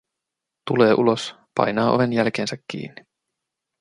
Tulee ulos, painaa oven jälkeensä kiinni.